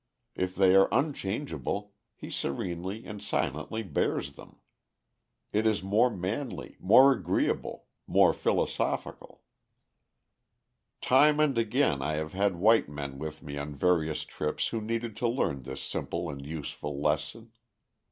If they are unchangeable he serenely and silently bears them. It is more manly, more agreeable, more philosophical. Time and again I have had white men with me on various trips who needed to learn this simple and useful lesson.